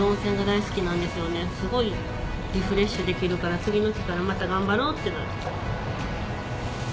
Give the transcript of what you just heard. すごいリフレッシュできるから次の日からまた頑張ろうってなる。